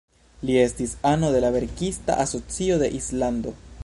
Li estis ano de la verkista asocio de Islando.